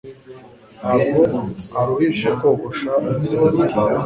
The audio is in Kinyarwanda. Ntabwo aruhije kogosha umusatsi